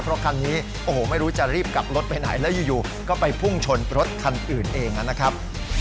เพราะคันนี้โอ้โหไม่รู้จะรีบกลับรถไปไหนแล้วอยู่ก็ไปพุ่งชนรถคันอื่นเองนะครับ